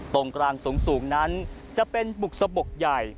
ตรงกลางสูงนั้นจะเป็นบุกสะบกใหญ่